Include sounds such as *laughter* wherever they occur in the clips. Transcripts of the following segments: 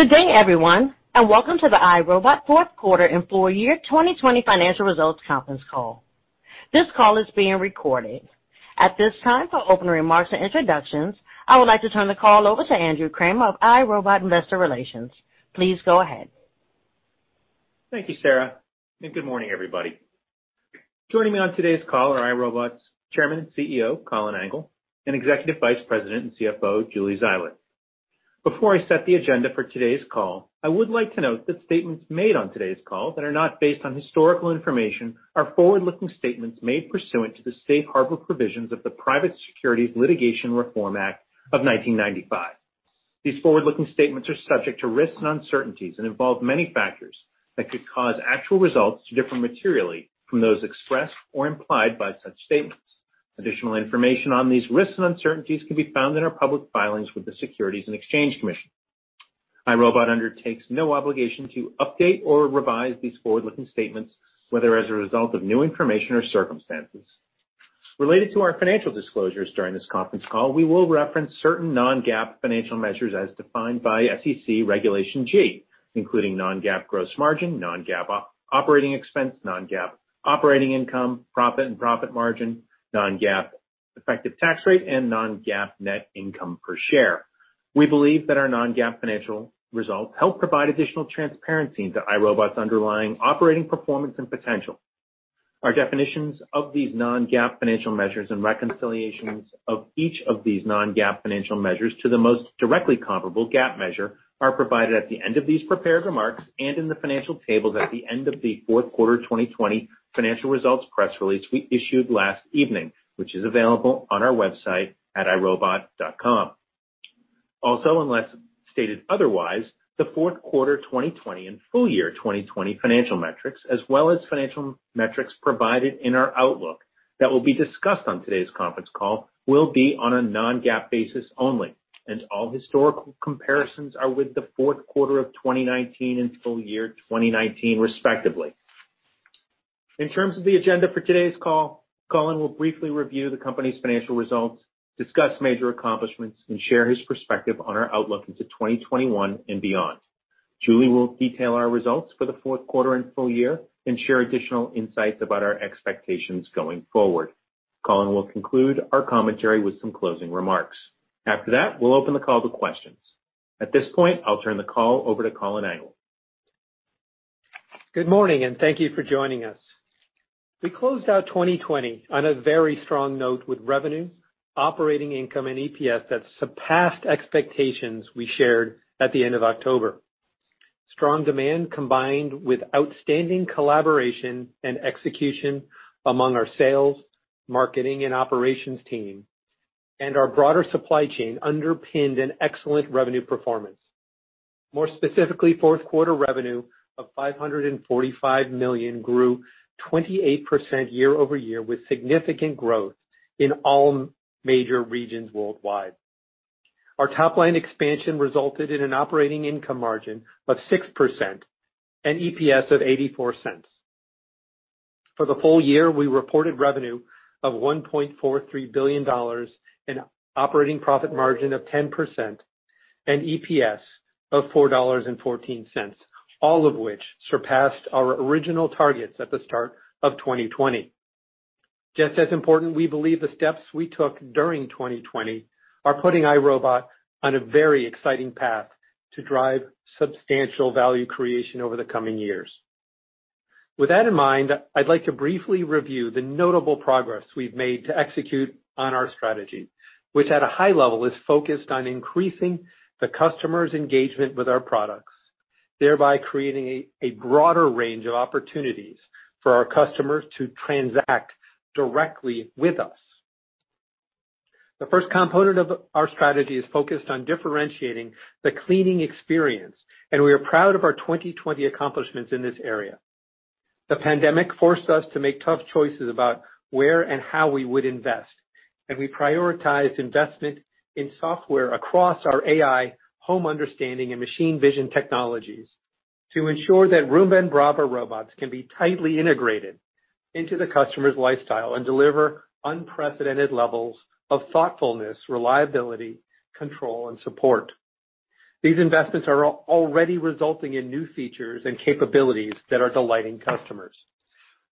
Good day, everyone, and Welcome to the iRobot Fourth Quarter and Full Year 2020 Financial Results Conference Call. This call is being recorded. At this time, for opening remarks and introductions, I would like to turn the call over to Andrew Kramer of iRobot Investor Relations. Please go ahead. Thank you, Sarah, and good morning, everybody. Joining me on today's call are iRobot's Chairman and CEO, Colin Angle, and Executive Vice President and CFO, Julie Zeiler. Before I set the agenda for today's call, I would like to note that statements made on today's call that are not based on historical information are forward-looking statements made pursuant to the safe harbor provisions of the Private Securities Litigation Reform Act of 1995. These forward-looking statements are subject to risks and uncertainties and involve many factors that could cause actual results to differ materially from those expressed or implied by such statements. Additional information on these risks and uncertainties can be found in our public filings with the Securities and Exchange Commission. iRobot undertakes no obligation to update or revise these forward-looking statements, whether as a result of new information or circumstances. Related to our financial disclosures during this conference call, we will reference certain non-GAAP financial measures as defined by SEC Regulation G, including non-GAAP gross margin, non-GAAP operating expense, non-GAAP operating income, profit and profit margin, non-GAAP effective tax rate, and non-GAAP net income per share. We believe that our non-GAAP financial results help provide additional transparency into iRobot's underlying operating performance and potential. Our definitions of these non-GAAP financial measures and reconciliations of each of these non-GAAP financial measures to the most directly comparable GAAP measure are provided at the end of these prepared remarks and in the financial tables at the end of the fourth quarter 2020 financial results press release we issued last evening, which is available on our website at iRobot.com. Also, unless stated otherwise, the fourth quarter 2020 and full year 2020 financial metrics, as well as financial metrics provided in our outlook that will be discussed on today's conference call, will be on a non-GAAP basis only, and all historical comparisons are with the fourth quarter of 2019 and full year 2019, respectively. In terms of the agenda for today's call, Colin will briefly review the company's financial results, discuss major accomplishments, and share his perspective on our outlook into 2021 and beyond. Julie will detail our results for the fourth quarter and full year and share additional insights about our expectations going forward. Colin will conclude our commentary with some closing remarks. After that, we'll open the call to questions. At this point, I'll turn the call over to Colin Angle. Good morning, and thank you for joining us. We closed out 2020 on a very strong note with revenue, operating income, and EPS that surpassed expectations we shared at the end of October. Strong demand combined with outstanding collaboration and execution among our sales, marketing, and operations team, and our broader supply chain underpinned an excellent revenue performance. More specifically, fourth quarter revenue of $545 million grew 28% year over year with significant growth in all major regions worldwide. Our top-line expansion resulted in an operating income margin of 6% and EPS of $0.84. For the full year, we reported revenue of $1.43 billion and an operating profit margin of 10% and EPS of $4.14, all of which surpassed our original targets at the start of 2020. Just as important, we believe the steps we took during 2020 are putting iRobot on a very exciting path to drive substantial value creation over the coming years. With that in mind, I'd like to briefly review the notable progress we've made to execute on our strategy, which, at a high level, is focused on increasing the customer's engagement with our products, thereby creating a broader range of opportunities for our customers to transact directly with us. The first component of our strategy is focused on differentiating the cleaning experience, and we are proud of our 2020 accomplishments in this area. The pandemic forced us to make tough choices about where and how we would invest, and we prioritized investment in software across our AI, home understanding, and machine vision technologies to ensure that Roomba and Braava robots can be tightly integrated into the customer's lifestyle and deliver unprecedented levels of thoughtfulness, reliability, control, and support. These investments are already resulting in new features and capabilities that are delighting customers.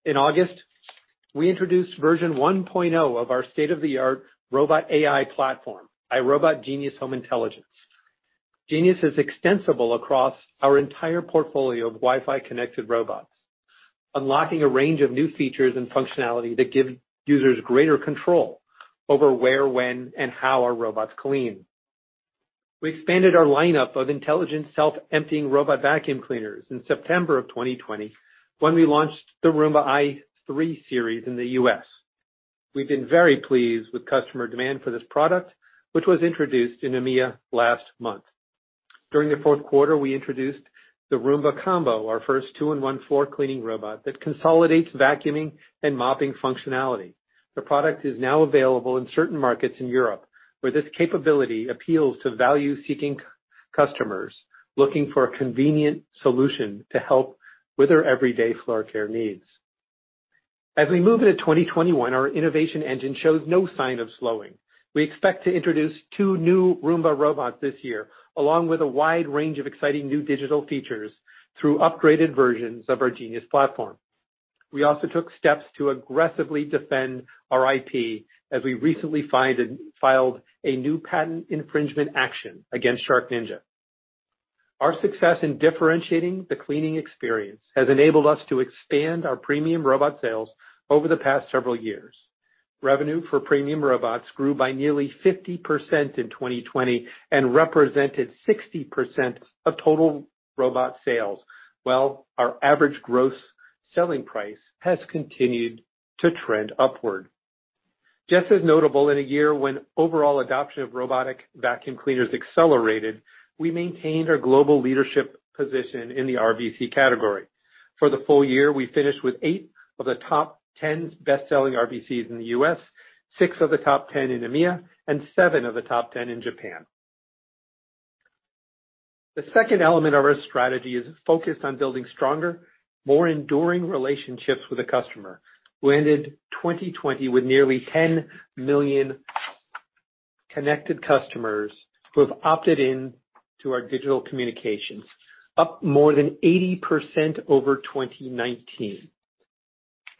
In August, we introduced version 1.0 of our state-of-the-art robot AI platform, iRobot Genius Home Intelligence. Genius is extensible across our entire portfolio of Wi-Fi-connected robots, unlocking a range of new features and functionality that give users greater control over where, when, and how our robots clean. We expanded our lineup of intelligent self-emptying robot vacuum cleaners in September of 2020 when we launched the Roomba i3 series in the U.S. We've been very pleased with customer demand for this product, which was introduced in EMEA last month. During the fourth quarter, we introduced the Roomba Combo, our first two-in-one floor cleaning robot that consolidates vacuuming and mopping functionality. The product is now available in certain markets in Europe, where this capability appeals to value-seeking customers looking for a convenient solution to help with their everyday floor care needs. As we move into 2021, our innovation engine shows no sign of slowing. We expect to introduce two new Roomba robots this year, along with a wide range of exciting new digital features through upgraded versions of our Genius platform. We also took steps to aggressively defend our IP as we recently filed a new patent infringement action against SharkNinja. Our success in differentiating the cleaning experience has enabled us to expand our premium robot sales over the past several years. Revenue for premium robots grew by nearly 50% in 2020 and represented 60% of total robot sales. Our average gross selling price has continued to trend upward. Just as notable, in a year when overall adoption of robotic vacuum cleaners accelerated, we maintained our global leadership position in the RVC category. For the full year, we finished with eight of the top 10 best-selling RVCs in the U.S., 6 of the Top 10 in EMEA, and seven of the top 10 in Japan. The second element of our strategy is focused on building stronger, more enduring relationships with the customer. We ended 2020 with nearly 10 million connected customers who have opted in to our digital communications, up more than 80% over 2019.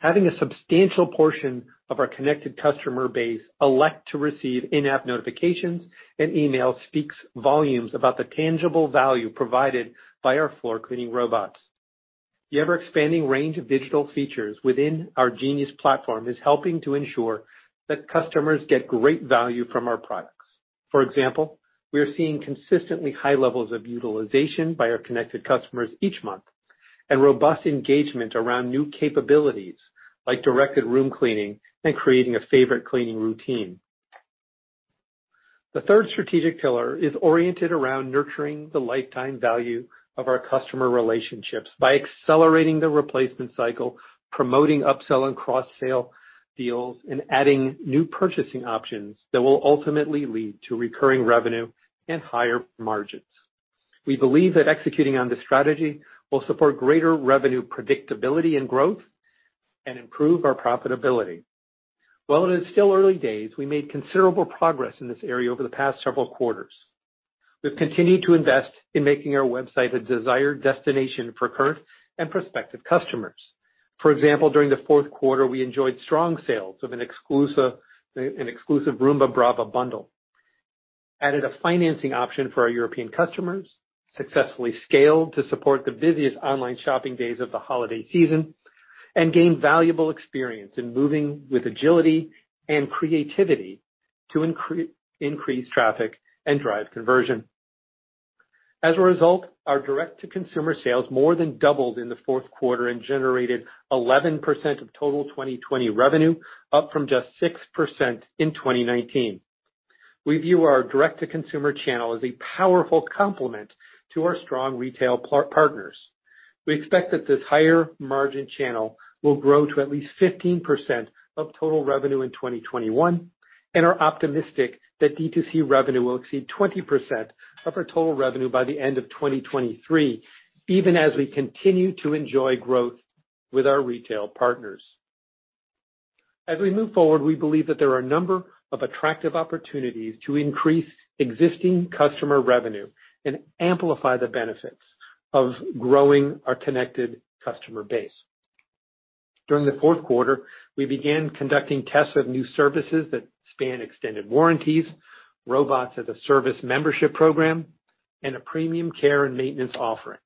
Having a substantial portion of our connected customer base elect to receive in-app notifications and emails speaks volumes about the tangible value provided by our floor cleaning robots. The ever-expanding range of digital features within our Genius platform is helping to ensure that customers get great value from our products. For example, we are seeing consistently high levels of utilization by our connected customers each month and robust engagement around new capabilities like directed room cleaning and creating a favorite cleaning routine. The third strategic pillar is oriented around nurturing the lifetime value of our customer relationships by accelerating the replacement cycle, promoting upsell and cross-sell deals, and adding new purchasing options that will ultimately lead to recurring revenue and higher margins. We believe that executing on this strategy will support greater revenue predictability and growth and improve our profitability. While it is still early days, we made considerable progress in this area over the past several quarters. We've continued to invest in making our website a desired destination for current and prospective customers. For example, during the fourth quarter, we enjoyed strong sales of an exclusive Roomba Braava bundle, added a financing option for our European customers, successfully scaled to support the busiest online shopping days of the holiday season, and gained valuable experience in moving with agility and creativity to increase traffic and drive conversion. As a result, our direct-to-consumer sales more than doubled in the fourth quarter and generated 11% of total 2020 revenue, up from just 6% in 2019. We view our direct-to-consumer channel as a powerful complement to our strong retail partners. We expect that this higher margin channel will grow to at least 15% of total revenue in 2021, and are optimistic that D2C revenue will exceed 20% of our total revenue by the end of 2023, even as we continue to enjoy growth with our retail partners. As we move forward, we believe that there are a number of attractive opportunities to increase existing customer revenue and amplify the benefits of growing our connected customer base. During the fourth quarter, we began conducting tests of new services that span extended warranties, Robots as a service membership program, and a premium care and maintenance offering.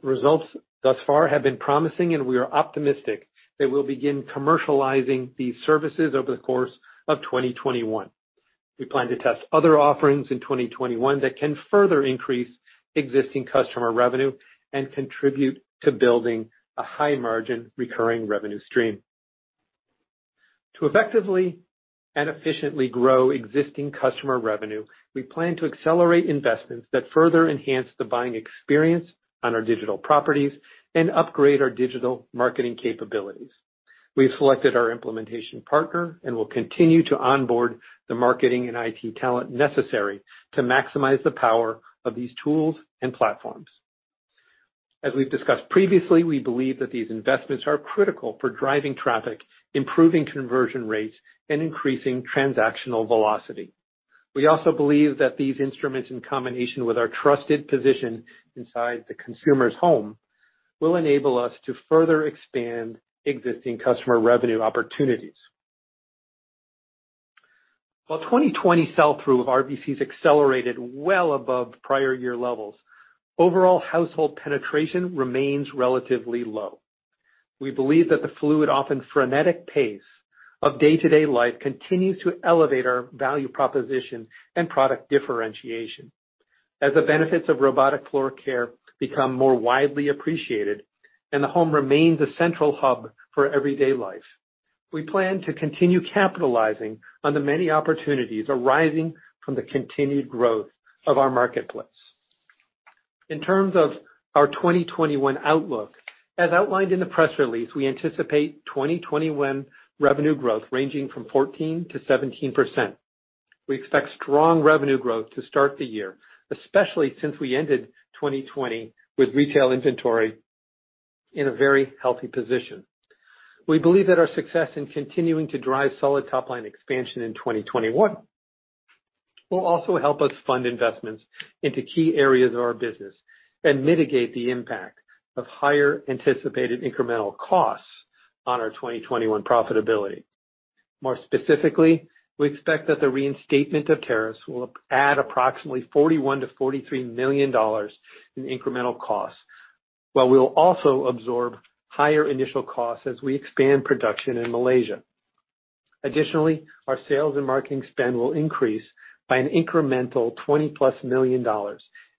The results thus far have been promising, and we are optimistic that we'll begin commercializing these services over the course of 2021. We plan to test other offerings in 2021 that can further increase existing customer revenue and contribute to building a high-margin recurring revenue stream. To effectively and efficiently grow existing customer revenue, we plan to accelerate investments that further enhance the buying experience on our digital properties and upgrade our digital marketing capabilities. We've selected our implementation partner and will continue to onboard the marketing and IT talent necessary to maximize the power of these tools and platforms. As we've discussed previously, we believe that these investments are critical for driving traffic, improving conversion rates, and increasing transactional velocity. We also believe that these instruments, in combination with our trusted position inside the consumer's home, will enable us to further expand existing customer revenue opportunities. While 2020 sell-through of RVCS accelerated well above prior year levels, overall household penetration remains relatively low. We believe that the fluid, often frenetic pace of day-to-day life continues to elevate our value proposition and product differentiation. As the benefits of robotic floor care become more widely appreciated and the home remains a central hub for everyday life, we plan to continue capitalizing on the many opportunities arising from the continued growth of our marketplace. In terms of our 2021 outlook, as outlined in the press release, we anticipate 2021 revenue growth ranging from 14%-17%. We expect strong revenue growth to start the year, especially since we ended 2020 with retail inventory in a very healthy position. We believe that our success in continuing to drive solid top-line expansion in 2021 will also help us fund investments into key areas of our business and mitigate the impact of higher anticipated incremental costs on our 2021 profitability. More specifically, we expect that the reinstatement of tariffs will add approximately $41 million-$43 million in incremental costs, while we'll also absorb higher initial costs as we expand production in Malaysia. Additionally, our sales and marketing spend will increase by an incremental $20-plus million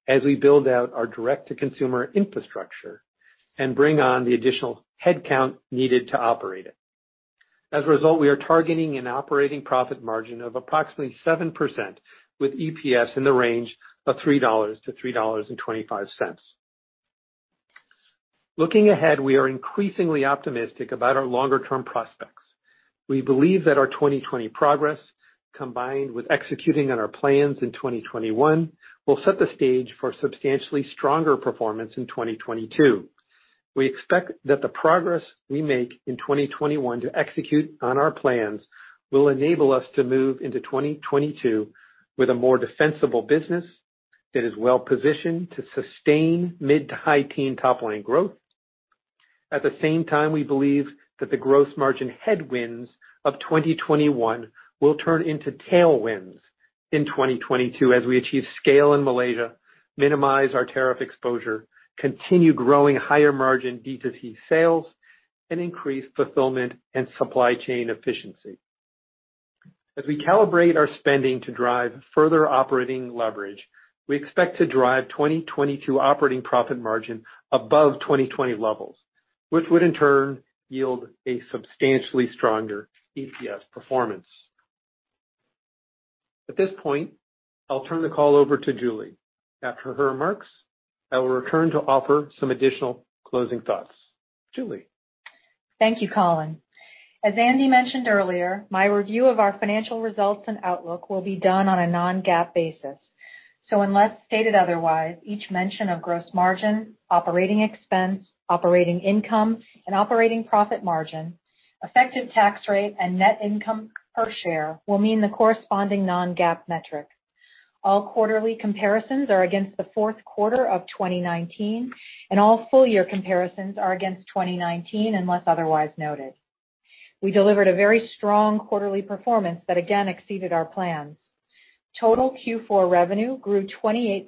as we build out our direct-to-consumer infrastructure and bring on the additional headcount needed to operate it. As a result, we are targeting an operating profit margin of approximately 7% with EPS in the range of $3-$3.25. Looking ahead, we are increasingly optimistic about our longer-term prospects. We believe that our 2020 progress, combined with executing on our plans in 2021, will set the stage for substantially stronger performance in 2022. We expect that the progress we make in 2021 to execute on our plans will enable us to move into 2022 with a more defensible business that is well-positioned to sustain mid-to-high teens top-line growth. At the same time, we believe that the gross margin headwinds of 2021 will turn into tailwinds in 2022 as we achieve scale in Malaysia, minimize our tariff exposure, continue growing higher-margin D2C sales, and increase fulfillment and supply chain efficiency. As we calibrate our spending to drive further operating leverage, we expect to drive 2022 operating profit margin above 2020 levels, which would in turn yield a substantially stronger EPS performance. At this point, I'll turn the call over to Julie. After her remarks, I will return to offer some additional closing thoughts. Julie. Thank you, Colin. As Andy mentioned earlier, my review of our financial results and outlook will be done on a Non-GAAP basis. So unless stated otherwise, each mention of gross margin, operating expense, operating income, and operating profit margin, effective tax rate, and net income per share will mean the corresponding Non-GAAP metric. All quarterly comparisons are against the fourth quarter of 2019, and all full-year comparisons are against 2019 unless otherwise noted. We delivered a very strong quarterly performance that again exceeded our plans. Total Q4 revenue grew 28%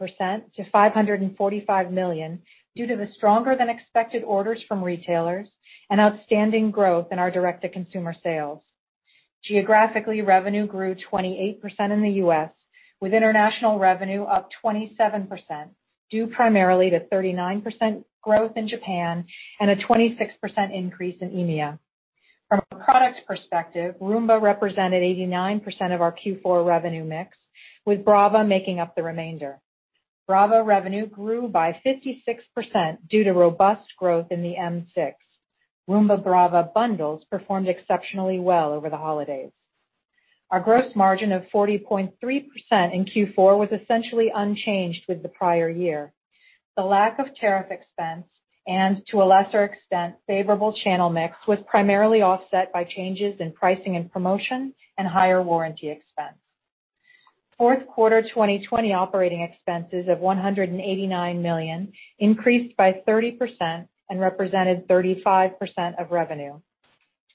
to $545 million due to the stronger-than-expected orders from retailers and outstanding growth in our direct-to-consumer sales. Geographically, revenue grew 28% in the U.S., with international revenue up 27% due primarily to 39% growth in Japan and a 26% increase in EMEA. From a product perspective, Roomba represented 89% of our Q4 revenue mix, with Braava making up the remainder. Braava revenue grew by 56% due to robust growth in the m6. Roomba Braava bundles performed exceptionally well over the holidays. Our gross margin of 40.3% in Q4 was essentially unchanged with the prior year. The lack of tariff expense and, to a lesser extent, favorable channel mix was primarily offset by changes in pricing and promotion and higher warranty expense. Fourth quarter 2020 operating expenses of $189 million increased by 30% and represented 35% of revenue.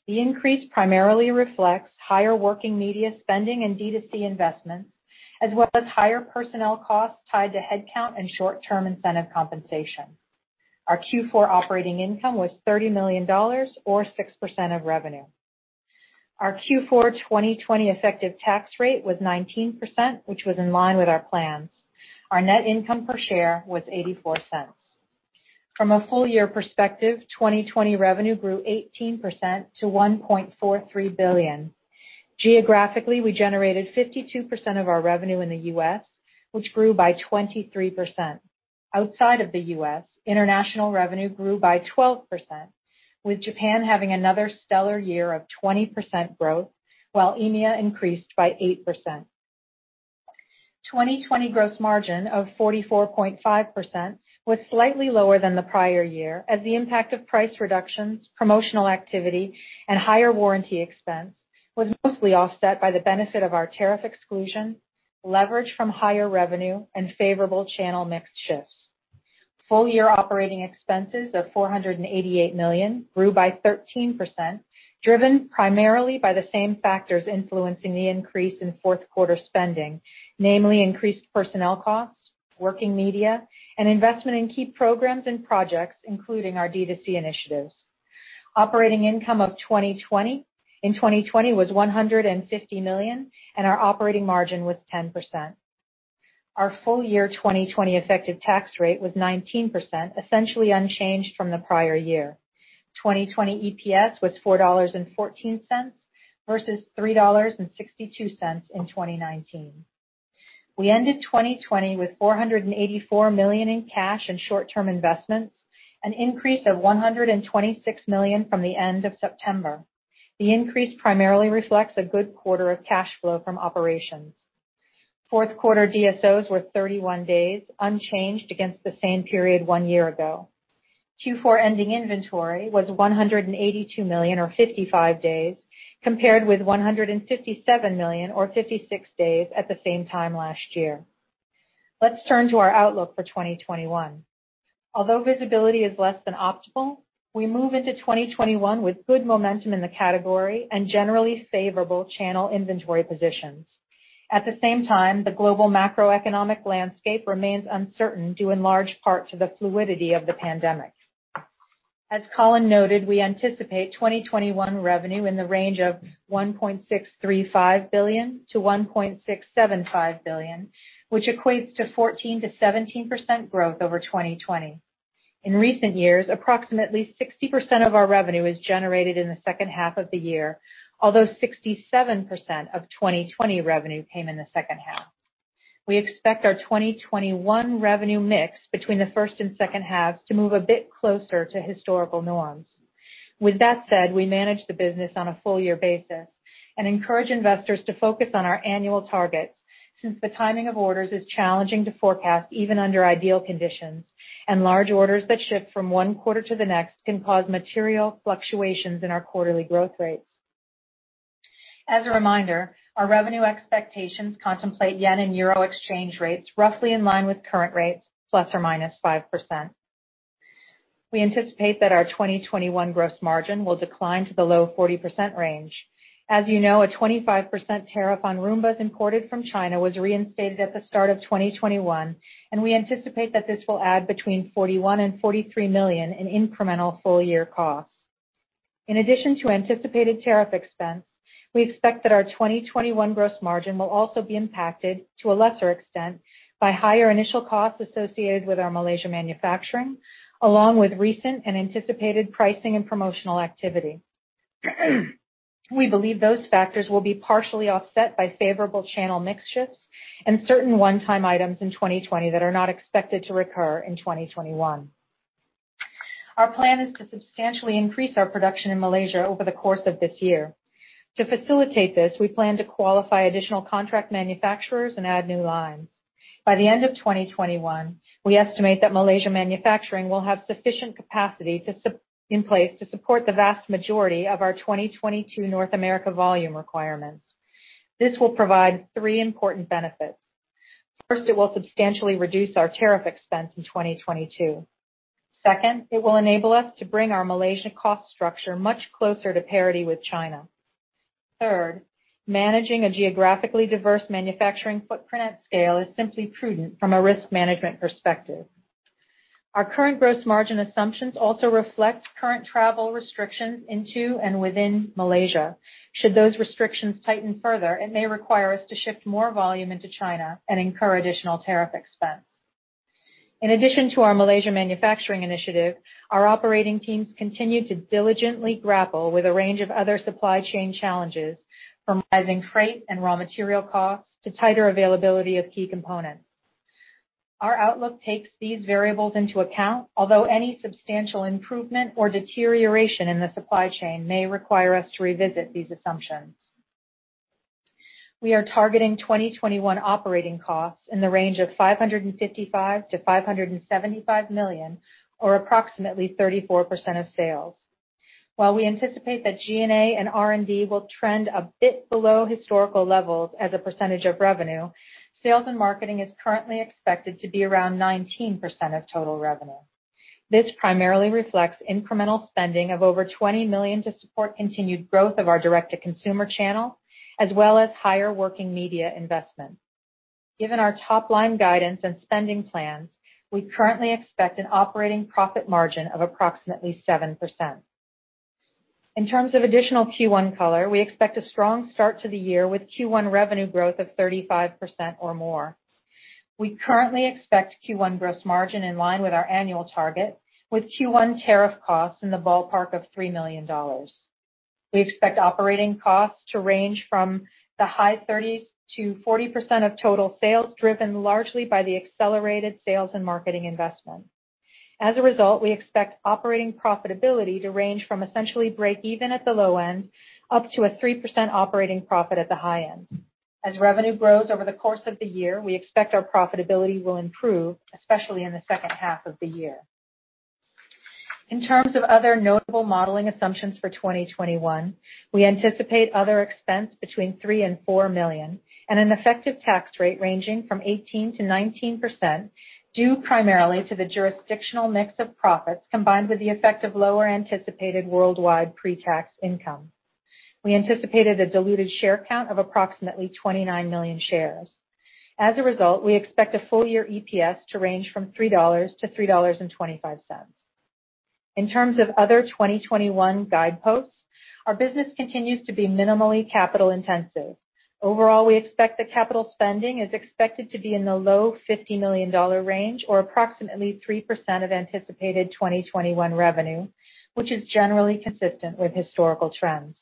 The increase primarily reflects higher working media spending and D2C investments, as well as higher personnel costs tied to headcount and short-term incentive compensation. Our Q4 operating income was $30 million, or 6% of revenue. Our Q4 2020 effective tax rate was 19%, which was in line with our plans. Our net income per share was $0.84. From a full-year perspective, 2020 revenue grew 18% to $1.43 billion. Geographically, we generated 52% of our revenue in the U.S., which grew by 23%. Outside of the U.S., international revenue grew by 12%, with Japan having another stellar year of 20% growth, while EMEA increased by 8%. 2020 gross margin of 44.5% was slightly lower than the prior year, as the impact of price reductions, promotional activity, and higher warranty expense was mostly offset by the benefit of our tariff exclusion, leverage from higher revenue, and favorable channel mix shifts. Full-year operating expenses of $488 million grew by 13%, driven primarily by the same factors influencing the increase in fourth quarter spending, namely increased personnel costs, working media, and investment in key programs and projects, including our D2C initiatives. Operating income of 2020 was $150 million, and our operating margin was 10%. Our full-year 2020 effective tax rate was 19%, essentially unchanged from the prior year. 2020 EPS was $4.14 versus $3.62 in 2019. We ended 2020 with $484 million in cash and short-term investments, an increase of $126 million from the end of September. The increase primarily reflects a good quarter of cash flow from operations. Fourth quarter DSOs were 31 days, unchanged against the same period one year ago. Q4 ending inventory was $182 million, or 55 days, compared with $157 million, or 56 days, at the same time last year. Let's turn to our outlook for 2021. Although visibility is less than optimal, we move into 2021 with good momentum in the category and generally favorable channel inventory positions. At the same time, the global macroeconomic landscape remains uncertain due in large part to the fluidity of the pandemic. As Colin noted, we anticipate 2021 revenue in the range of $1.635 billion-$1.675 billion, which equates to 14%-17% growth over 2020. In recent years, approximately 60% of our revenue is generated in the second half of the year, although 67% of 2020 revenue came in the second half. We expect our 2021 revenue mix between the first and second halves to move a bit closer to historical norms. With that said, we manage the business on a full-year basis and encourage investors to focus on our annual targets since the timing of orders is challenging to forecast even under ideal conditions, and large orders that shift from one quarter to the next can cause material fluctuations in our quarterly growth rates. As a reminder, our revenue expectations contemplate yen and euro exchange rates roughly in line with current rates, plus or minus 5%. We anticipate that our 2021 gross margin will decline to the low 40% range. As you know, a 25% tariff on Roombas imported from China was reinstated at the start of 2021, and we anticipate that this will add between $41 and $43 million in incremental full-year costs. In addition to anticipated tariff expense, we expect that our 2021 gross margin will also be impacted, to a lesser extent, by higher initial costs associated with our Malaysia manufacturing, along with recent and anticipated pricing and promotional activity. We believe those factors will be partially offset by favorable channel mix shifts and certain one-time items in 2020 that are not expected to recur in 2021. Our plan is to substantially increase our production in Malaysia over the course of this year. To facilitate this, we plan to qualify additional contract manufacturers and add new lines. By the end of 2021, we estimate that Malaysia manufacturing will have sufficient capacity in place to support the vast majority of our 2022 North America volume requirements. This will provide three important benefits. First, it will substantially reduce our tariff expense in 2022. Second, it will enable us to bring our Malaysia cost structure much closer to parity with China. Third, managing a geographically diverse manufacturing footprint at scale is simply prudent from a risk management perspective. Our current gross margin assumptions also reflect current travel restrictions into and within Malaysia. Should those restrictions tighten further, it may require us to shift more volume into China and incur additional tariff expense. In addition to our Malaysia manufacturing initiative, our operating teams continue to diligently grapple with a range of other supply chain challenges, from rising freight and raw material costs to tighter availability of key components. Our outlook takes these variables into account, although any substantial improvement or deterioration in the supply chain may require us to revisit these assumptions. We are targeting 2021 operating costs in the range of $555-$575 million, or approximately 34% of sales. While we anticipate that G&A and R&D will trend a bit below historical levels as a percentage of revenue, sales and marketing is currently expected to be around 19% of total revenue. This primarily reflects incremental spending of over $20 million to support continued growth of our direct-to-consumer channel, as well as higher working media investment. Given our top-line guidance and spending plans, we currently expect an operating profit margin of approximately 7%. In terms of additional Q1 color, we expect a strong start to the year with Q1 revenue growth of 35% or more. We currently expect Q1 gross margin in line with our annual target, with Q1 tariff costs in the ballpark of $3 million. We expect operating costs to range from the high 30s to 40% of total sales, driven largely by the accelerated sales and marketing investment. As a result, we expect operating profitability to range from essentially break-even at the low end up to a 3% operating profit at the high end. As revenue grows over the course of the year, we expect our profitability will improve, especially in the second half of the year. In terms of other notable modeling assumptions for 2021, we anticipate other expense between $3-$4 million and an effective tax rate ranging from 18%-19% due primarily to the jurisdictional mix of profits combined with the effect of lower anticipated worldwide pre-tax income. We anticipated a diluted share count of approximately 29 million shares. As a result, we expect a full-year EPS to range from $3-$3.25. In terms of other 2021 guideposts, our business continues to be minimally capital-intensive. Overall, we expect that capital spending is expected to be in the low $50 million range, or approximately 3% of anticipated 2021 revenue, which is generally consistent with historical trends.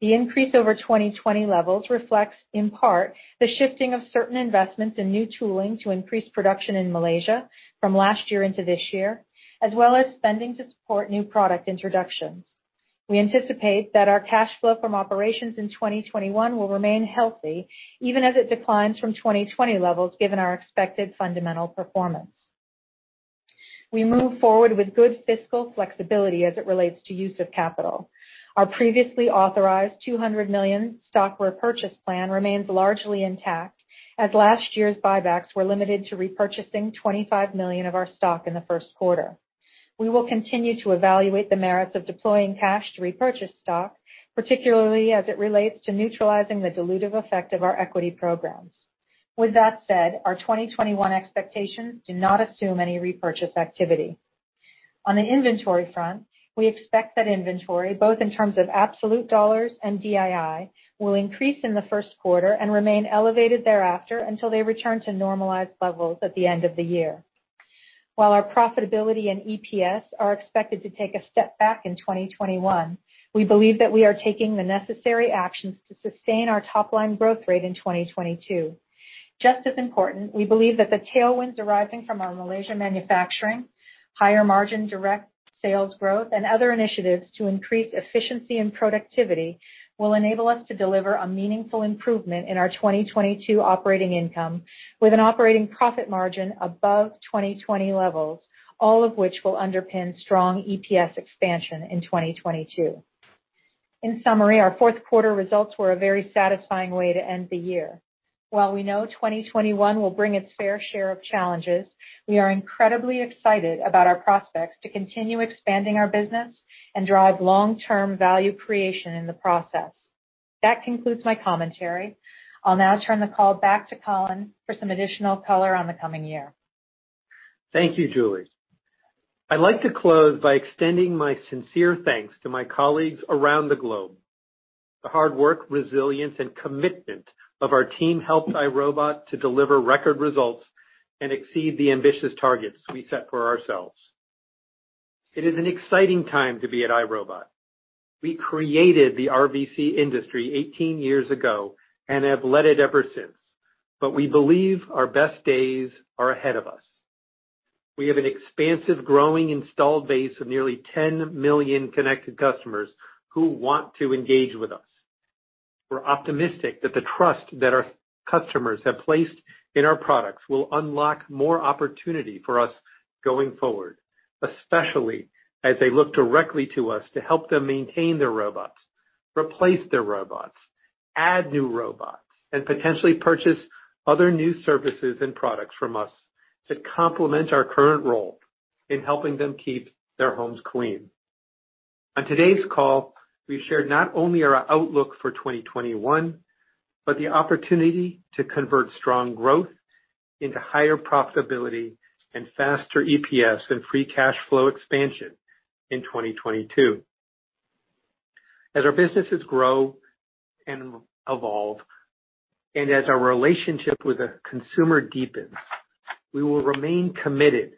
The increase over 2020 levels reflects, in part, the shifting of certain investments in new tooling to increase production in Malaysia from last year into this year, as well as spending to support new product introductions. We anticipate that our cash flow from operations in 2021 will remain healthy, even as it declines from 2020 levels given our expected fundamental performance. We move forward with good fiscal flexibility as it relates to use of capital. Our previously authorized $200 million stock repurchase plan remains largely intact, as last year's buybacks were limited to repurchasing $25 million of our stock in the first quarter. We will continue to evaluate the merits of deploying cash to repurchase stock, particularly as it relates to neutralizing the dilutive effect of our equity programs. With that said, our 2021 expectations do not assume any repurchase activity. On the inventory front, we expect that inventory, both in terms of absolute dollars and DII, will increase in the first quarter and remain elevated thereafter until they return to normalized levels at the end of the year. While our profitability and EPS are expected to take a step back in 2021, we believe that we are taking the necessary actions to sustain our top-line growth rate in 2022. Just as important, we believe that the tailwinds arising from our Malaysia manufacturing, higher margin direct sales growth, and other initiatives to increase efficiency and productivity will enable us to deliver a meaningful improvement in our 2022 operating income with an operating profit margin above 2020 levels, all of which will underpin strong EPS expansion in 2022. In summary, our fourth quarter results were a very satisfying way to end the year. While we know 2021 will bring its fair share of challenges, we are incredibly excited about our prospects to continue expanding our business and drive long-term value creation in the process. That concludes my commentary. I'll now turn the call back to Colin for some additional color on the coming year. Thank you, Julie. I'd like to close by extending my sincere thanks to my colleagues around the globe. The hard work, resilience, and commitment of our team helped iRobot to deliver record results and exceed the ambitious targets we set for ourselves. It is an exciting time to be at iRobot. We created the RVC industry 18 years ago and have led it ever since, but we believe our best days are ahead of us. We have an expansive, growing installed base of nearly 10 million connected customers who want to engage with us. We're optimistic that the trust that our customers have placed in our products will unlock more opportunity for us going forward, especially as they look directly to us to help them maintain their robots, replace their robots, add new robots, and potentially purchase other new services and products from us to complement our current role in helping them keep their homes clean. On today's call, we shared not only our outlook for 2021, but the opportunity to convert strong growth into higher profitability and faster EPS and free cash flow expansion in 2022. As our businesses grow and evolve, and as our relationship with the consumer deepens, we will remain committed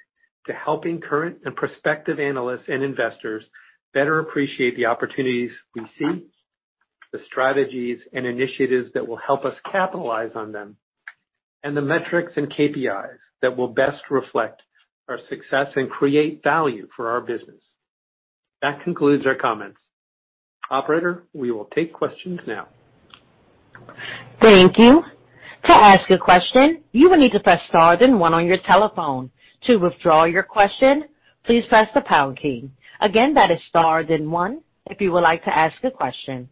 to helping current and prospective analysts and investors better appreciate the opportunities we see, the strategies and initiatives that will help us capitalize on them, and the metrics and KPIs that will best reflect our success and create value for our business. That concludes our comments. Operator, we will take questions now. Thank you. To ask a question, you will need to press star then one on your telephone. To withdraw your question, please press the pound key. Again, that is star then one if you would like to ask a question.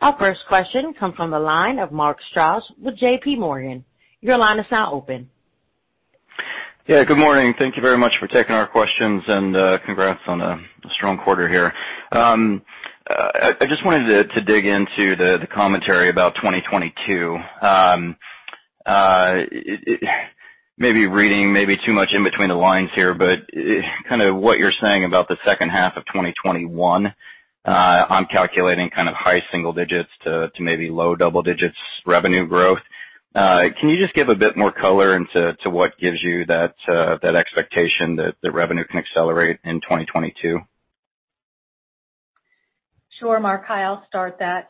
Our first question comes from the line of Mark Strouse with JPMorgan. Your line is now open. Yeah, good morning. Thank you very much for taking our questions, and congrats on a strong quarter here. I just wanted to dig into the commentary about 2022. Maybe reading too much in between the lines here, but kind of what you're saying about the second half of 2021, I'm calculating kind of high single digits to maybe low double digits revenue growth. Can you just give a bit more color into what gives you that expectation that revenue can accelerate in 2022? Sure, Mark. I'll start that.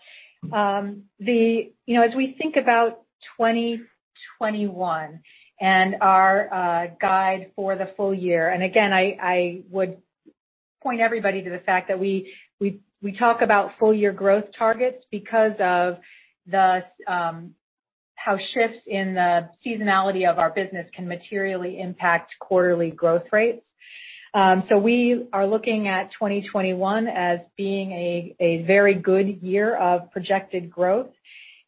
As we think about 2021 and our guide for the full year, and again, I would point everybody to the fact that we talk about full-year growth targets because of how shifts in the seasonality of our business can materially impact quarterly growth rates. So we are looking at 2021 as being a very good year of projected growth,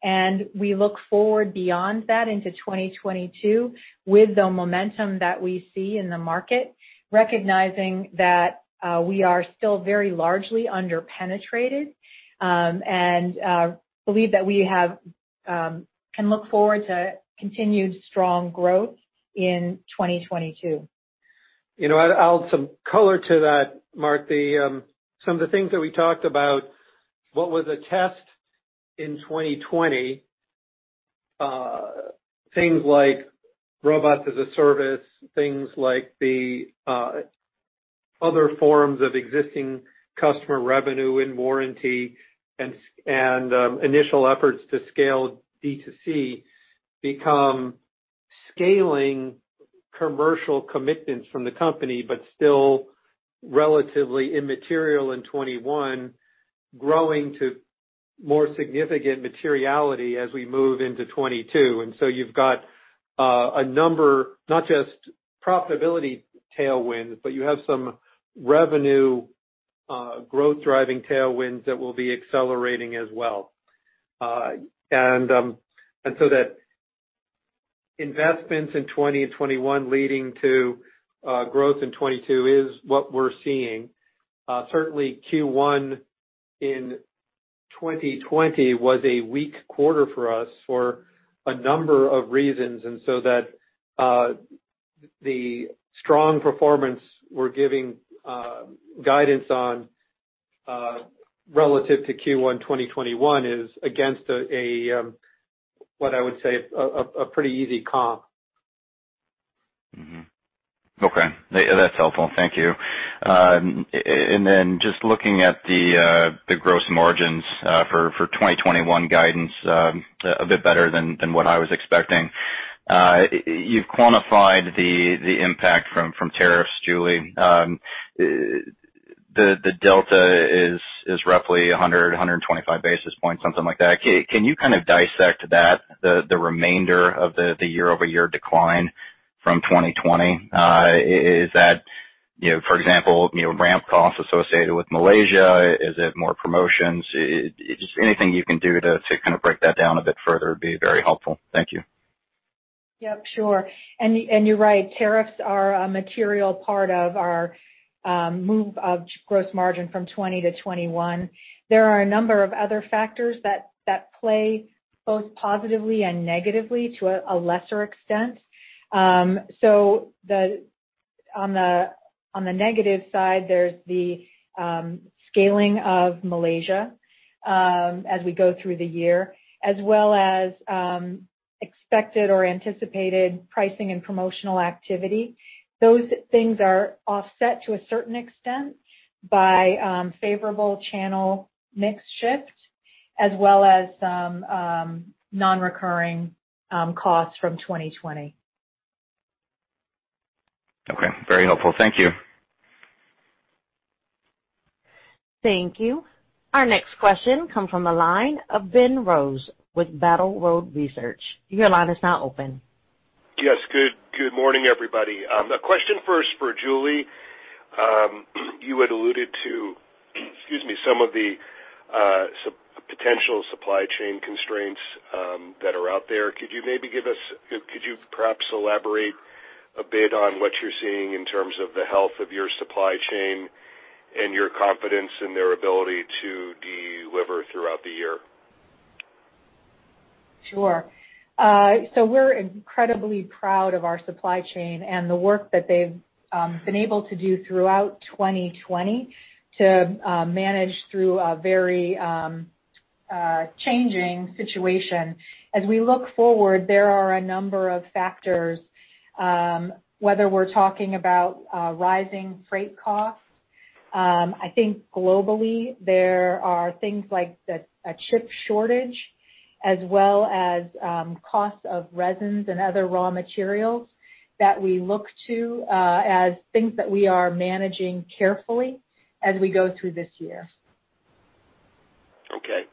and we look forward beyond that into 2022 with the momentum that we see in the market, recognizing that we are still very largely underpenetrated and believe that we can look forward to continued strong growth in 2022. You know what? I'll add some color to that, Mark. Some of the things that we talked about, what was a test in 2020, things like robots as a service, things like the other forms of existing customer revenue and warranty, and initial efforts to scale D2C become scaling commercial commitments from the company, but still relatively immaterial in 2021, growing to more significant materiality as we move into 2022. And so you've got a number, not just profitability tailwinds, but you have some revenue growth-driving tailwinds that will be accelerating as well. And so that investments in 2020 and 2021 leading to growth in 2022 is what we're seeing. Certainly, Q1 in 2020 was a weak quarter for us for a number of reasons, and so that the strong performance we're giving guidance on relative to Q1 2021 is against what I would say a pretty easy comp. Okay. That's helpful. Thank you. Then just looking at the gross margins for 2021 guidance, a bit better than what I was expecting, you've quantified the impact from tariffs, Julie. The delta is roughly 100-125 basis points, something like that. Can you kind of dissect that, the remainder of the year-over-year decline from 2020? Is that, for example, ramp costs associated with Malaysia? Is it more promotions? Just anything you can do to kind of break that down a bit further would be very helpful. Thank you. Yep, sure. You're right. Tariffs are a material part of our move of gross margin from 2020 to 2021. There are a number of other factors that play both positively and negatively to a lesser extent. On the negative side, there's the scaling of Malaysia as we go through the year, as well as expected or anticipated pricing and promotional activity. Those things are offset to a certain extent by favorable channel mix shift, as well as some non-recurring costs from 2020. Okay. Very helpful. Thank you. Thank you. Our next question comes from the line of Ben Rose with Battle Road Research. Your line is now open. Yes. Good morning, everybody. A question first for Julie. You had alluded to, excuse me, some of the potential supply chain constraints that are out there. Could you maybe give us, could you perhaps elaborate a bit on what you're seeing in terms of the health of your supply chain and your confidence in their ability to deliver throughout the year? Sure. So we're incredibly proud of our supply chain and the work that they've been able to do throughout 2020 to manage through a very changing situation. As we look forward, there are a number of factors, whether we're talking about rising freight costs. I think globally, there are things like a chip shortage, as well as costs of resins and other raw materials that we look to as things that we are managing carefully as we go through this year. Okay.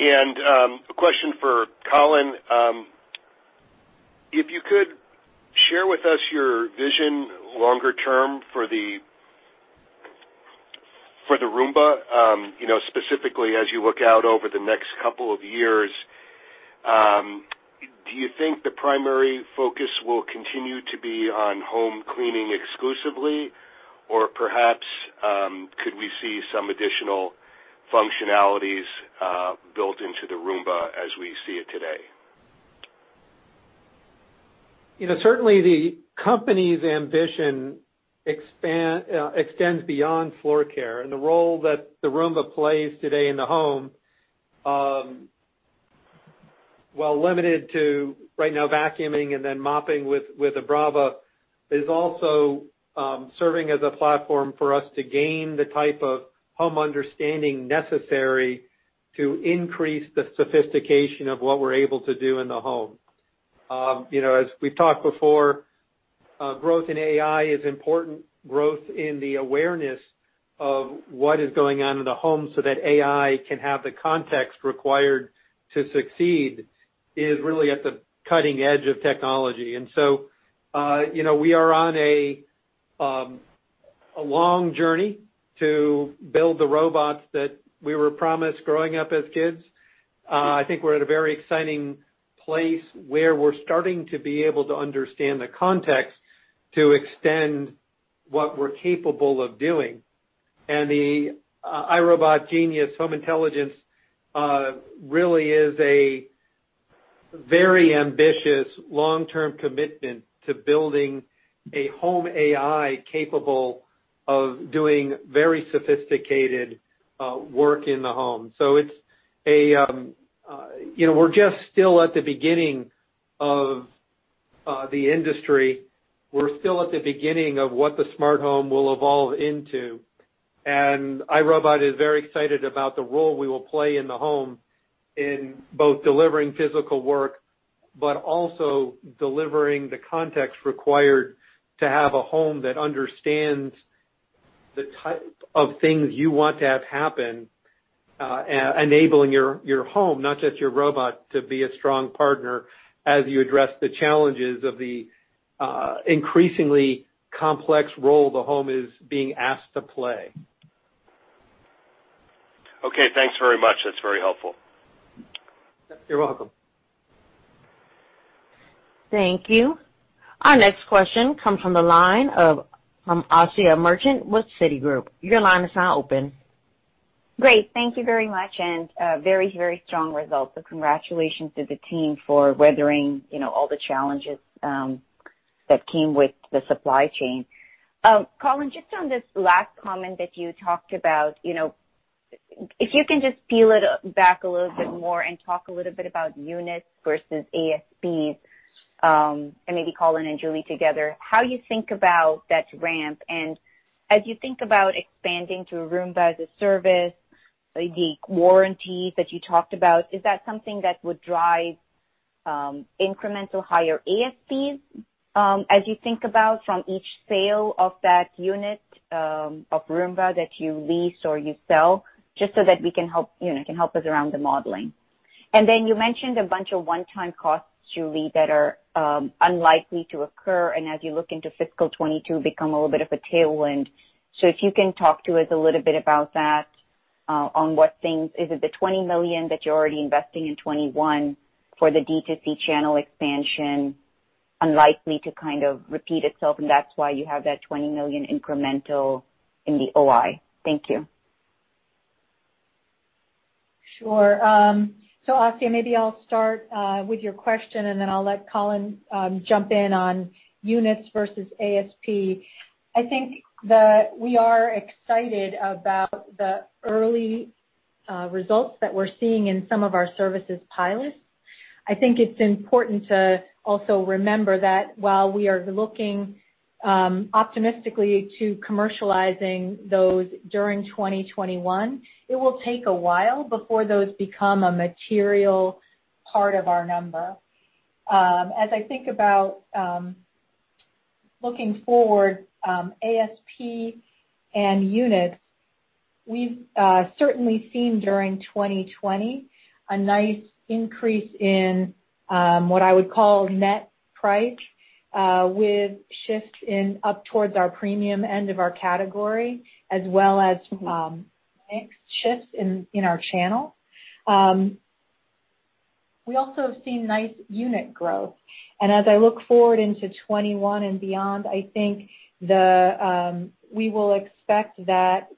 And a question for Colin. If you could share with us your vision longer term for the Roomba, specifically as you look out over the next couple of years, do you think the primary focus will continue to be on home cleaning exclusively, or perhaps could we see some additional functionalities built into the Roomba as we see it today? Certainly, the company's ambition extends beyond floor care, and the role that the Roomba plays today in the home, while limited to right now vacuuming and then mopping with a Braava, is also serving as a platform for us to gain the type of home understanding necessary to increase the sophistication of what we're able to do in the home. As we've talked before, growth in AI is important. Growth in the awareness of what is going on in the home so that AI can have the context required to succeed is really at the cutting edge of technology, and so we are on a long journey to build the robots that we were promised growing up as kids. I think we're at a very exciting place where we're starting to be able to understand the context to extend what we're capable of doing. And the iRobot Genius Home Intelligence really is a very ambitious long-term commitment to building a home AI capable of doing very sophisticated work in the home. So it's a, we're just still at the beginning of the industry. We're still at the beginning of what the smart home will evolve into. And iRobot is very excited about the role we will play in the home in both delivering physical work, but also delivering the context required to have a home that understands the type of things you want to have happen, enabling your home, not just your robot, to be a strong partner as you address the challenges of the increasingly complex role the home is being asked to play. Okay. Thanks very much. That's very helpful. You're welcome. Thank you. Our next question comes from the line of Asiya Merchant with Citigroup. Your line is now open. Great. Thank you very much. And very, very strong results. So congratulations to the team for weathering all the challenges that came with the supply chain. Colin, just on this last comment that you talked about, if you can just peel it back a little bit more and talk a little bit about units versus ASPs, and maybe Colin and Julie together, how you think about that ramp. And as you think about expanding to Roomba as a service, the warranties that you talked about, is that something that would drive incremental higher ASPs as you think about from each sale of that unit of Roomba that you lease or you sell, just so that we can help us around the modeling? And then you mentioned a bunch of one-time costs, Julie, that are unlikely to occur. And as you look into fiscal 2022, become a little bit of a tailwind. So if you can talk to us a little bit about that on what things is it the 20 million that you're already investing in 2021 for the D2C channel expansion, unlikely to kind of repeat itself, and that's why you have that 20 million incremental in the OI? Thank you. Sure. Asiya, maybe I'll start with your question, and then I'll let Colin jump in on units versus ASP. I think that we are excited about the early results that we're seeing in some of our services pilots. I think it's important to also remember that while we are looking optimistically to commercializing those during 2021, it will take a while before those become a material part of our number. As I think about looking forward, ASP and units, we've certainly seen during 2020 a nice increase in what I would call net price with shifts up towards our premium end of our category, as well as mixed shifts in our channel. We also have seen nice unit growth. And as I look forward into 2021 and beyond, I think we will expect that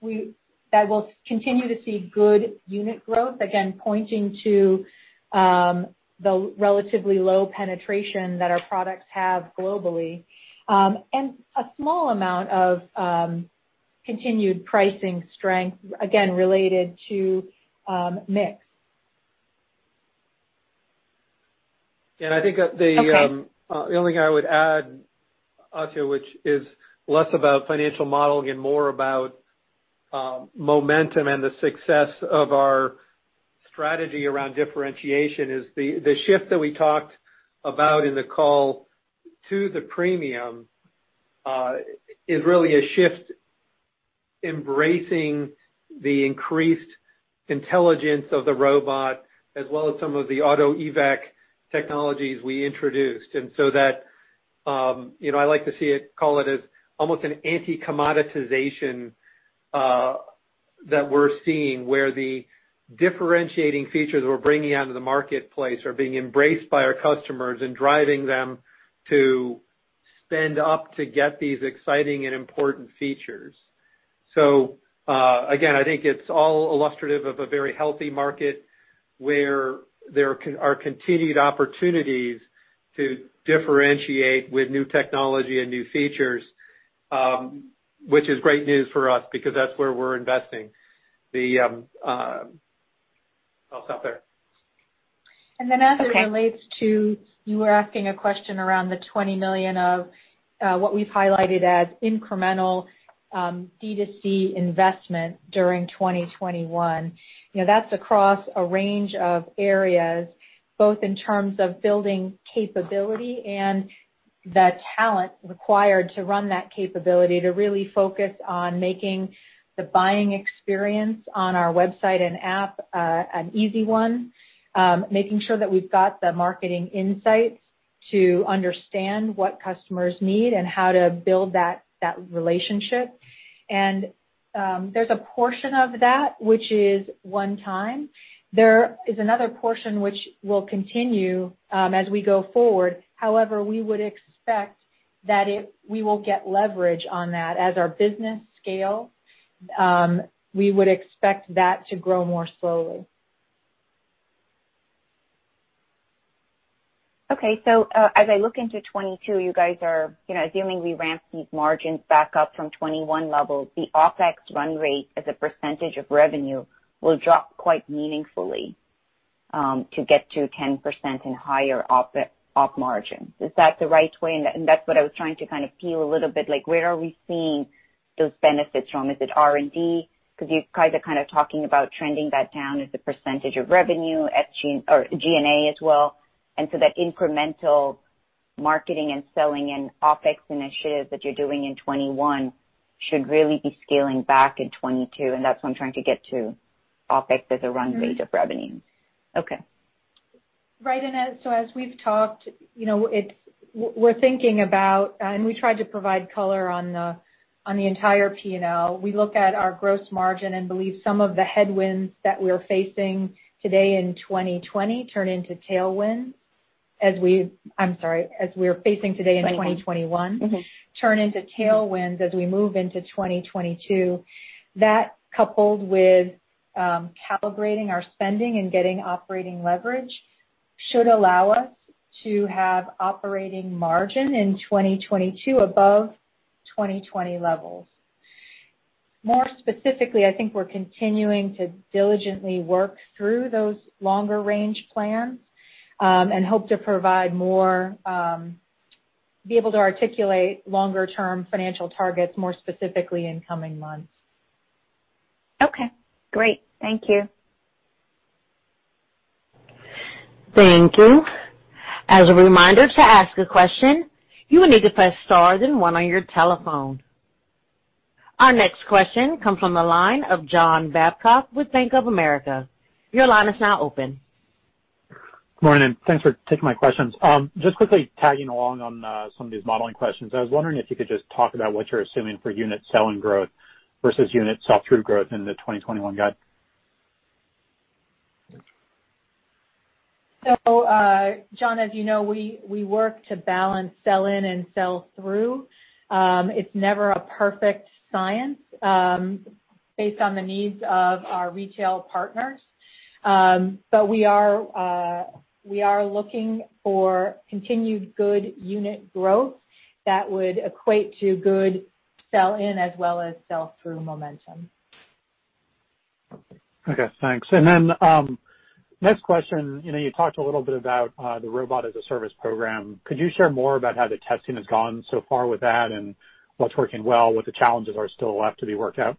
we'll continue to see good unit growth, again, pointing to the relatively low penetration that our products have globally, and a small amount of continued pricing strength, again, related to mix. Okay. I think the only thing I would add, Asiya, which is less about financial modeling and more about momentum and the success of our strategy around differentiation, is the shift that we talked about in the call to the premium. This is really a shift embracing the increased intelligence of the robot, as well as some of the auto evac technologies we introduced. And so that I like to call it as almost an anti-commoditization that we're seeing where the differentiating features we're bringing out of the marketplace are being embraced by our customers and driving them to spend up to get these exciting and important features. So again, I think it's all illustrative of a very healthy market where there are continued opportunities to differentiate with new technology and new features, which is great news for us because that's where we're investing. I'll stop there. And then, *crosstalk* Okay. As it relates to you were asking a question around the $20 million of what we've highlighted as incremental D2C investment during 2021. That's across a range of areas, both in terms of building capability and the talent required to run that capability to really focus on making the buying experience on our website and app an easy one, making sure that we've got the marketing insights to understand what customers need and how to build that relationship. And there's a portion of that, which is one-time. There is another portion which will continue as we go forward. However, we would expect that we will get leverage on that. As our business scales, we would expect that to grow more slowly. Okay, so as I look into 2022, you guys are assuming we ramp these margins back up from 2021 level. The OpEx run rate as a percentage of revenue will drop quite meaningfully to get to 10% and higher OpEx margins. Is that the right way? And that's what I was trying to kind of peel a little bit. Where are we seeing those benefits from? Is it R&D? Because you guys are kind of talking about trending that down as a percentage of revenue, G&A as well. And so that incremental marketing and selling and OpEx initiatives that you're doing in 2021 should really be scaling back in 2022. And that's what I'm trying to get to, OpEx as a run rate of revenue. Okay. Right. And so as we've talked, we're thinking about, and we tried to provide color on the entire P&L, we look at our gross margin and believe some of the headwinds that we're facing today in 2020 turn into tailwinds as we, I'm sorry. As we're facing today *crosstalk* in 2021, turn into tailwinds as we move into 2022. That coupled with calibrating our spending and getting operating leverage should allow us to have operating margin in 2022 above 2020 levels. More specifically, I think we're continuing to diligently work through those longer-range plans and hope to provide more, be able to articulate longer-term financial targets more specifically in coming months. Okay. Great. Thank you. Thank you. As a reminder to ask a question, you will need to press star then one on your telephone. Our next question comes from the line of John Babcock with Bank of America. Your line is now open. Good morning. Thanks for taking my questions. Just quickly tagging along on some of these modeling questions. I was wondering if you could just talk about what you're assuming for unit sell-in growth versus unit sell-through growth in the 2021 guide. So John, as you know, we work to balance sell-in and sell-through. It's never a perfect science based on the needs of our retail partners. But we are looking for continued good unit growth that would equate to good sell-in as well as sell-through momentum. Okay. Thanks. And then next question, you talked a little bit about the Robots as a Service program. Could you share more about how the testing has gone so far with that and what's working well, what the challenges are still left to be worked out?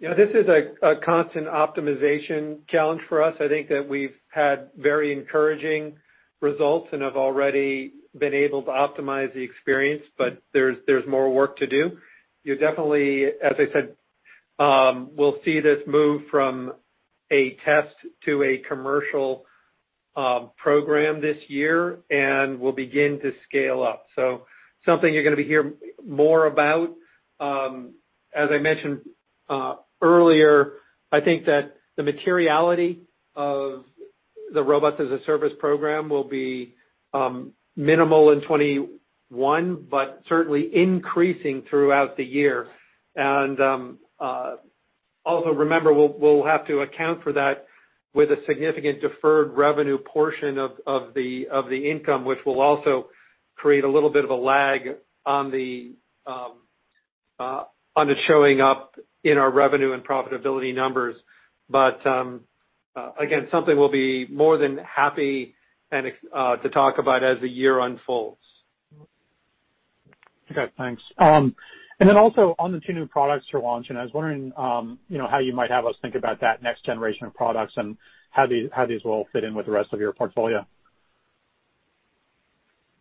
Yeah. This is a constant optimization challenge for us. I think that we've had very encouraging results and have already been able to optimize the experience, but there's more work to do. As I said, we'll see this move from a test to a commercial program this year and will begin to scale up. So, something you're going to be hearing more about. As I mentioned earlier, I think that the materiality of the robots as a service program will be minimal in 2021, but certainly increasing throughout the year. And also remember, we'll have to account for that with a significant deferred revenue portion of the income, which will also create a little bit of a lag on it showing up in our revenue and profitability numbers. But again, something we'll be more than happy to talk about as the year unfolds. Okay. Thanks. And then also on the two new products you're launching, I was wondering how you might have us think about that next generation of products and how these will fit in with the rest of your portfolio.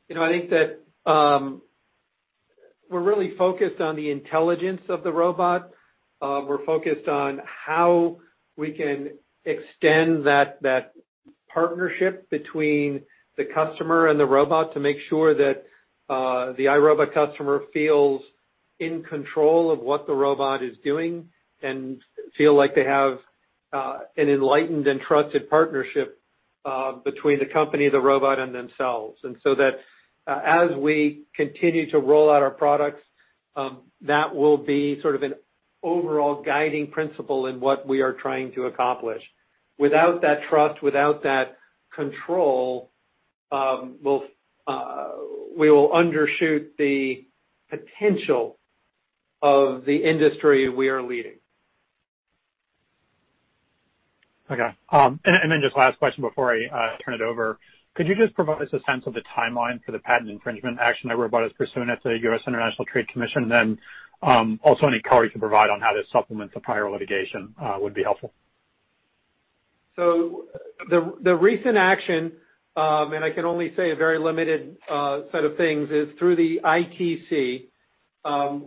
I think that we're really focused on the intelligence of the robot. We're focused on how we can extend that partnership between the customer and the robot to make sure that the iRobot customer feels in control of what the robot is doing and feel like they have an enlightened and trusted partnership between the company, the robot, and themselves. And so that as we continue to roll out our products, that will be sort of an overall guiding principle in what we are trying to accomplish. Without that trust, without that control, we will undershoot the potential of the industry we are leading. Okay. And then just last question before I turn it over. Could you just provide us a sense of the timeline for the patent infringement action that iRobot is pursuing at the U.S. International Trade Commission? And then also any color you can provide on how this supplements the prior litigation would be helpful. The recent action, and I can only say a very limited set of things, is through the ITC,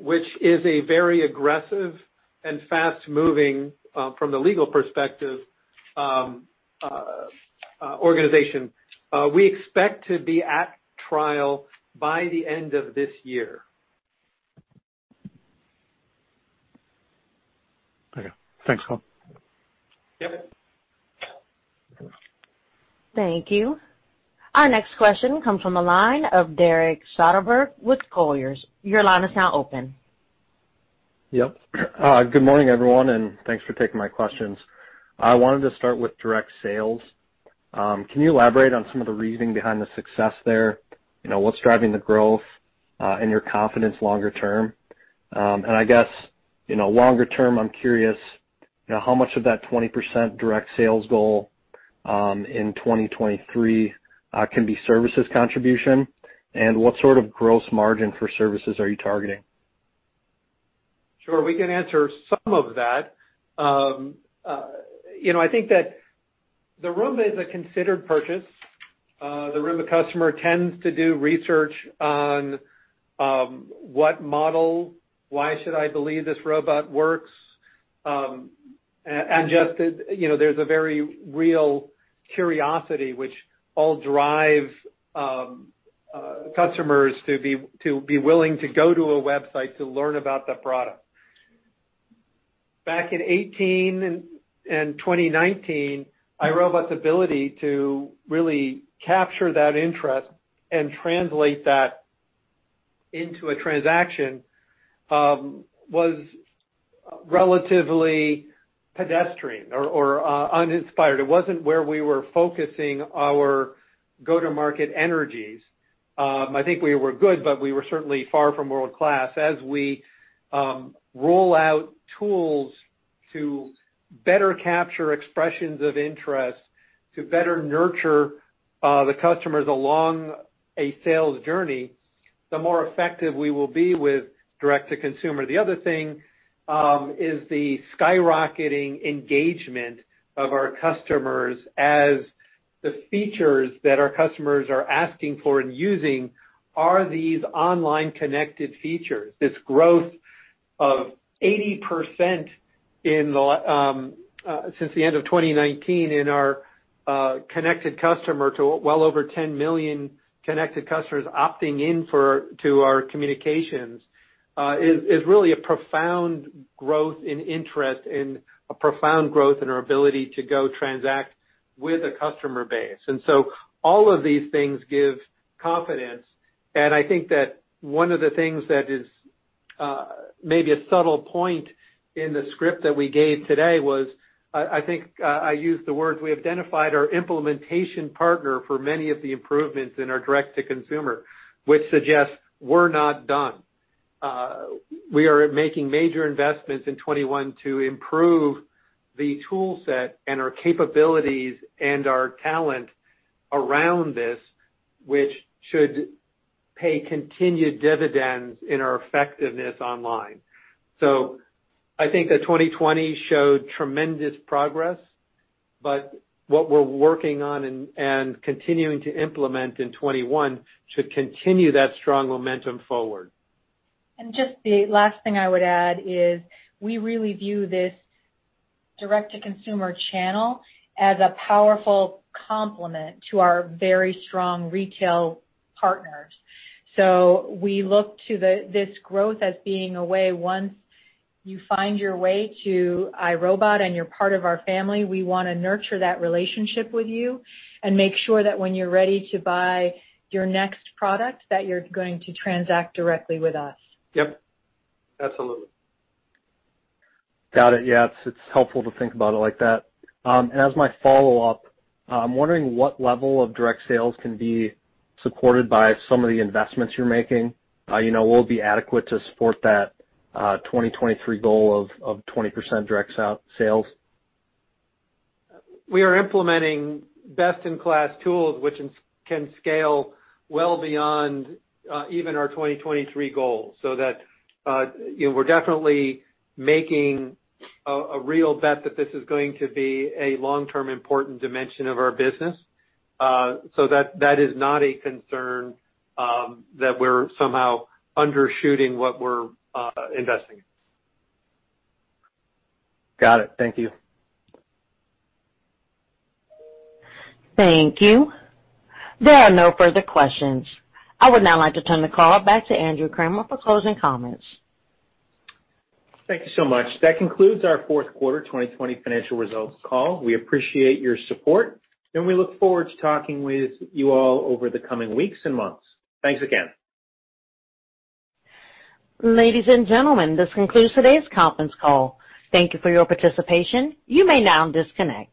which is a very aggressive and fast-moving from the legal perspective organization. We expect to be at trial by the end of this year. Okay. Thanks, Colin. Yep. Thank you. Our next question comes from the line of Derek Soderberg with Colliers. Your line is now open. Yep. Good morning, everyone. And thanks for taking my questions. I wanted to start with direct sales. Can you elaborate on some of the reasoning behind the success there? What's driving the growth and your confidence longer term? And I guess longer term, I'm curious how much of that 20% direct sales goal in 2023 can be services contribution? And what sort of gross margin for services are you targeting? Sure. We can answer some of that. I think that the Roomba is a considered purchase. The Roomba customer tends to do research on what model, why should I believe this robot works? And just there's a very real curiosity which all drive customers to be willing to go to a website to learn about the product. Back in 2018 and 2019, iRobot's ability to really capture that interest and translate that into a transaction was relatively pedestrian or uninspired. It wasn't where we were focusing our go-to-market energies. I think we were good, but we were certainly far from world-class. As we roll out tools to better capture expressions of interest, to better nurture the customers along a sales journey, the more effective we will be with direct-to-consumer. The other thing is the skyrocketing engagement of our customers as the features that our customers are asking for and using are these online connected features. This growth of 80% since the end of 2019 in our connected customer to well over 10 million connected customers opting in to our communications is really a profound growth in interest and a profound growth in our ability to go transact with a customer base, and so all of these things give confidence, and I think that one of the things that is maybe a subtle point in the script that we gave today was I think I used the words we identified our implementation partner for many of the improvements in our direct-to-consumer, which suggests we're not done. We are making major investments in 2021 to improve the toolset and our capabilities and our talent around this, which should pay continued dividends in our effectiveness online. I think that 2020 showed tremendous progress, but what we're working on and continuing to implement in 2021 should continue that strong momentum forward. Just the last thing I would add is we really view this direct-to-consumer channel as a powerful complement to our very strong retail partners. We look to this growth as being a way once you find your way to iRobot and you're part of our family, we want to nurture that relationship with you and make sure that when you're ready to buy your next product, that you're going to transact directly with us. Yep. Absolutely. Got it. Yeah. It's helpful to think about it like that. As my follow-up, I'm wondering what level of direct sales can be supported by some of the investments you're making? Will it be adequate to support that 2023 goal of 20% direct sales? We are implementing best-in-class tools which can scale well beyond even our 2023 goal. So that we're definitely making a real bet that this is going to be a long-term important dimension of our business. So that is not a concern that we're somehow undershooting what we're investing in. Got it. Thank you. Thank you. There are no further questions. I would now like to turn the call back to Andrew Kramer for closing comments. Thank you so much. That concludes our fourth quarter 2020 financial results call. We appreciate your support, and we look forward to talking with you all over the coming weeks and months. Thanks again. Ladies and gentlemen, this concludes today's conference call. Thank you for your participation. You may now disconnect.